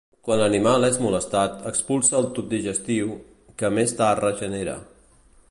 Quan l'animal és molestat expulsa el tub digestiu, que més tard regenera.